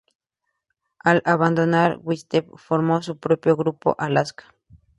Al abandonar Whitesnake formó su propio grupo "Alaska!